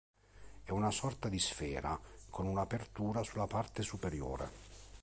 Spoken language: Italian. È una sorta di sfera con una apertura sulla parte superiore.